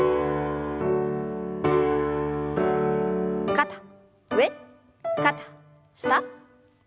肩上肩下。